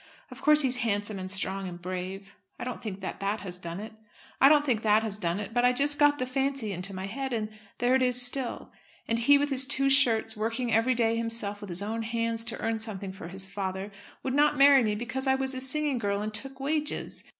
Of course he's handsome, and strong, and brave. I don't think that has done it, but I just got the fancy into my head, and there it is still. And he with his two shirts, working every day himself with his own hands to earn something for his father, would not marry me because I was a singing girl and took wages.